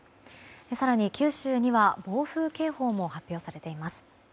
更に九州には暴風警報も発表されています。